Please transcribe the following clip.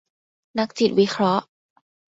นักจิตวิเคราะห์